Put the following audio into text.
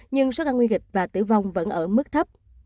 nhưng số ca nguy kịch và tử vong vẫn ở mức thấp